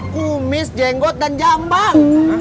kumis jenggot dan jambang